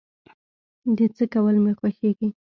د څه کول مې خوښيږي؟